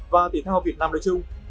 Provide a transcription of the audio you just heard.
và thể thao việt nam nơi chung